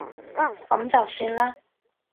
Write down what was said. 噉就算啦